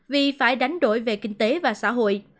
vì phải đánh đổi về kinh tế và xã hội